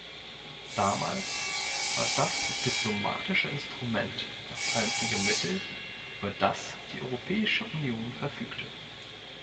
Damals war das diplomatische Instrument das einzige Mittel, über das die Europäische Union verfügte.